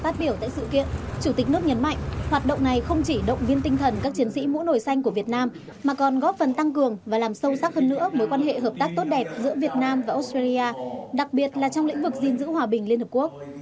phát biểu tại sự kiện chủ tịch nước nhấn mạnh hoạt động này không chỉ động viên tinh thần các chiến sĩ mũ nổi xanh của việt nam mà còn góp phần tăng cường và làm sâu sắc hơn nữa mối quan hệ hợp tác tốt đẹp giữa việt nam và australia đặc biệt là trong lĩnh vực gìn giữ hòa bình liên hợp quốc